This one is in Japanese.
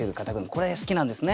これ好きなんですね。